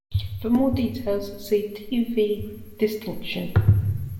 For more details, see T-V distinction.